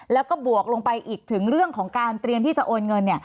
แล้วก็บวกลงไปอีกถึงเรื่องของการเตรียมที่จะโอนเงิน